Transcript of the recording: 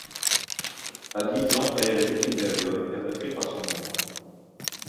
À dix ans, elle est la victime d'un viol, perpétré par son oncle.